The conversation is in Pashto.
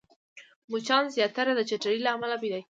مچان زياتره د چټلۍ له امله پيدا کېږي